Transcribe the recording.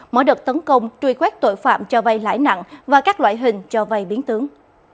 mỗi đợt tấn công truy quét tội phạm cho vay lãi nặng và các loại hình cho vay biến tướng